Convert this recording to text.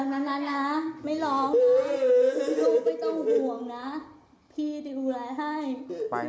พี่จะดูแลให้ไม่ต้องหลากนะ